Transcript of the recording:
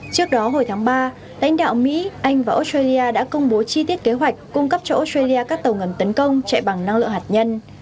trước đó hồi tháng ba đánh đạo mỹ anh và australia đã công bố chi tiết kế hoạch cung cấp cho australia các tàu ngầm tấn công chạy bằng năng lượng hạt nhân